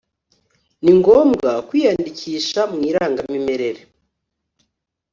ningombwa kwiyandikisha m’ Irangamimerere